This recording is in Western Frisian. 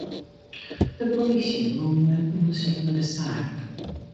De polysje begûn mei in ûndersyk nei de saak.